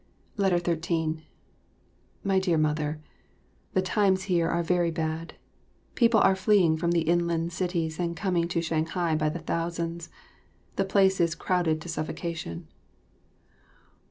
13 My Dear Mother, The times here are very bad; people are fleeing from the inland cities and coming to Shanghai by the thousands. The place is crowded to suffocation.